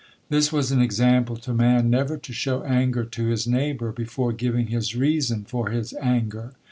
This was an example to man never to show anger to his neighbor before giving his reason for his anger.